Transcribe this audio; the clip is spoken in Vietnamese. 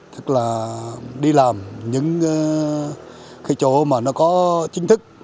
tức là đi làm những cái chỗ mà nó có chính thức